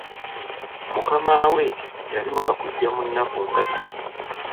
Mukama we yali waakujja mu nnaku nga bbiri.